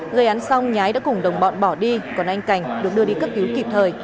gây án xong nhái đã cùng đồng bọn bỏ đi còn anh cảnh được đưa đi cấp cứu kịp thời